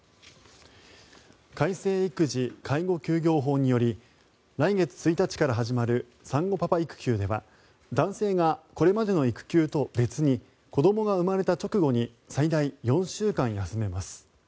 改正育児・介護休業法により来月１日から始まる産後パパ育休では男性がこれまでの育休と別に子どもが生まれた直後に最大４週間休めます。